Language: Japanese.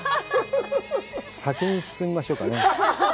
先に進みましょうかね。